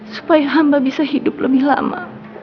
supaya hamba bisa hidup lebih lama